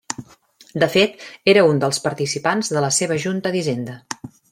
De fet era un dels participants de la seva Junta d'Hisenda.